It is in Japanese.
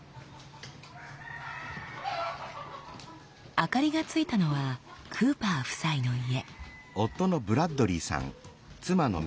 ・・明かりがついたのはクーパー夫妻の家。